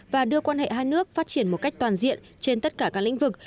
và đưa quan hệ hai nước phát triển một cách toàn diện trên tất cả các lĩnh vực